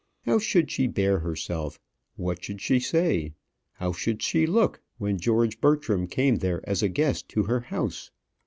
How should she bear herself; what should she say; how should she look when George Bertram came there as a guest to her house?